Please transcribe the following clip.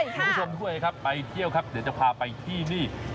คุณผู้ชมด้วยครับไปเที่ยวครับเดี๋ยวจะพาไปที่นี่